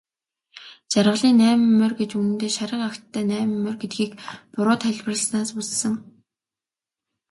Жаргалын найман морь гэж үнэндээ шарга агттай найман морь гэдгийг буруу тайлбарласнаас үүссэн.